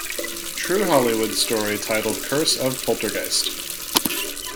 True Hollywood Story" titled "Curse of "Poltergeist"".